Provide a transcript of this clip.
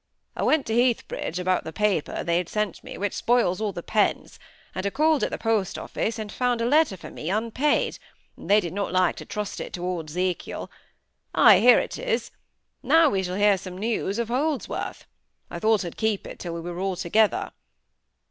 "I went to Heathbridge about the paper they had sent me, which spoils all the pens—and I called at the post office, and found a letter for me, unpaid,—and they did not like to trust it to old Zekiel. Ay! here it is! Now we shall hear news of Holdsworth,—I thought I'd keep it till we were all together."